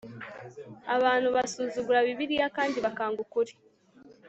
Abantu basuzugura Bibiliya kandi bakanga ukuri